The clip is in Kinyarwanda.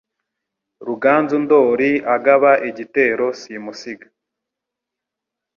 Ruganzu Ndoli agaba igitero simusiga